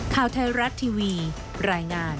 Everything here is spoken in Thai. ข่าวไทยรัฐทีวีรายงาน